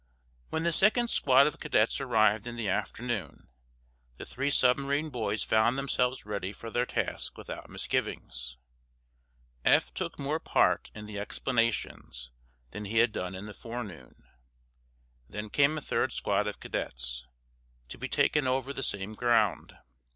When the second squad of cadets arrived, in the afternoon, the three submarine boys found themselves ready for their task without misgivings. Eph took more part in the explanations than he had done in the forenoon. Then came a third squad of cadets, to be taken over the same ground.